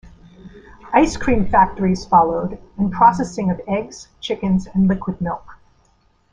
Ice cream factories followed, and processing of eggs, chickens, and liquid milk.